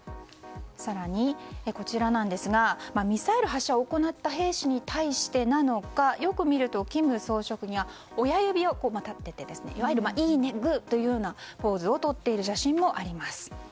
更に、ミサイル発射を行った兵士に対してなのかよく見ると金総書記が親指を立てていわゆる、いいね！というポーズをとっている写真もあります。